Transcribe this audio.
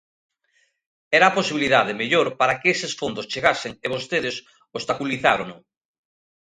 Era a posibilidade mellor para que eses fondos chegasen e vostedes obstaculizárono.